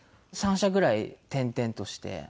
３社ぐらい転々として。